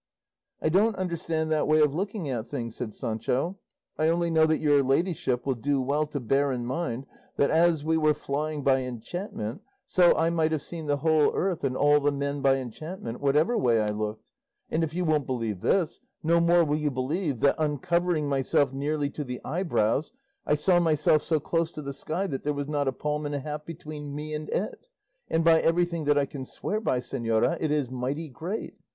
"I don't understand that way of looking at things," said Sancho; "I only know that your ladyship will do well to bear in mind that as we were flying by enchantment so I might have seen the whole earth and all the men by enchantment whatever way I looked; and if you won't believe this, no more will you believe that, uncovering myself nearly to the eyebrows, I saw myself so close to the sky that there was not a palm and a half between me and it; and by everything that I can swear by, señora, it is mighty great!